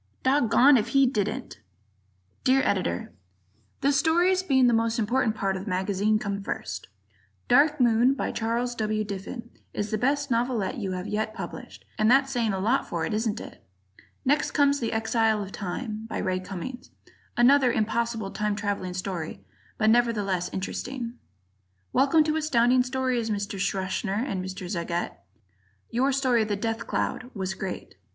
Doggoned If He Didn't! Dear Editor: The stories, being the most important part of the magazine, come first: "Dark Moon," by Charles W. Diffin, is the best novelette you have yet published, and that's saying a lot for it, isn't it? Next comes "The Exile of Time," by Ray Cummings, another impossible time traveling story, but nevertheless interesting. Welcome to Astounding Stories, Mr. Schachner and Mr. Zagat. Your story "The Death Cloud" was great.